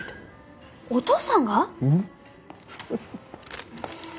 お父さんが？